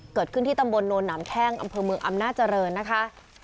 เกิดขึ้นที่ตำบลโนนหนามแท่งอำเภอเมืองอำนาจริงนะคะ